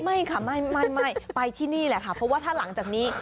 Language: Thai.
ไม่ค่ะไม่ไปที่นี่แหละค่ะเพราะว่าถ้าหลังจากนี้